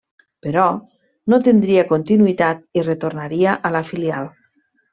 Però, no tindria continuïtat i retornaria al filial.